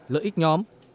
lợi ích nhóm